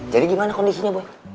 jadi gimana kondisinya boy